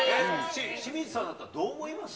清水さんだったら、どう思います？